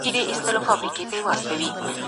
یوه ټولنه له بلې سره مقایسه کیدای سي.